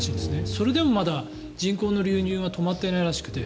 それでもまだ、人口の流入が止まってないらしくて。